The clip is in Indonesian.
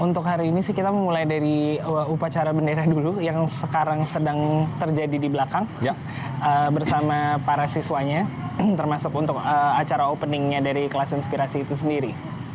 untuk hari ini sih kita memulai dari upacara bendera dulu yang sekarang sedang terjadi di belakang bersama para siswanya termasuk untuk acara openingnya dari kelas inspirasi itu sendiri